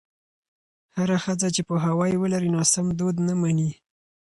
هره ښځه چې پوهاوی ولري، ناسم دود نه مني.